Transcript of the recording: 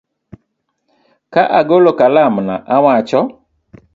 Ka agolo kalamna, awacho